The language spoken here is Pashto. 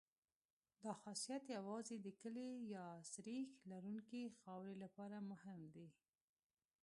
دا خاصیت یوازې د کلې یا سریښ لرونکې خاورې لپاره مهم دی